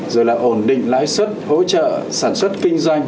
rồi là ổn định lãi suất hỗ trợ sản xuất kinh doanh